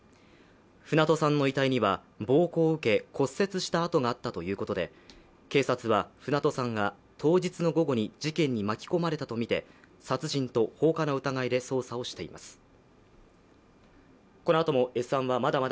船戸さんの遺体には、暴行を受け骨折した痕があったということで警察は、船戸さんが当日の午後に事件に巻き込まれたとみて、殺人と放火の疑いで捜査をしています。